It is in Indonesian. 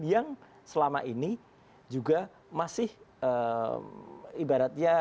yang selama ini juga masih ibaratnya